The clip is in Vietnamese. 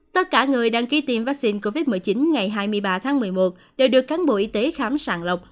tất cả người đăng ký tiêm vaccine covid một mươi chín ngày hai mươi ba tháng một mươi một đều được cán bộ y tế khám sàng lọc